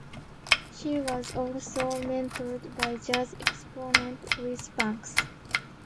She was also mentored by jazz exponent Louis Banks.